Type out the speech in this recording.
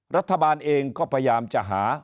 รัฐบาลเองก็พยายามจะหา